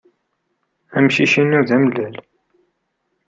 Amcic-inu d amellal.